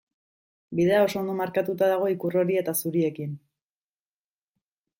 Bidea oso ondo markatuta dago ikur hori eta zuriekin.